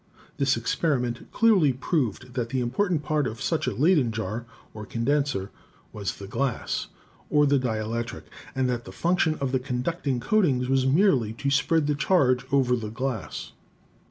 This experiment clearly proved that the important part of such a Leyden jar or condenser ELECTROSTATICS 171 was the glass or dielectric and that the function of the conducting coatings was merely to spread the charge over the glass.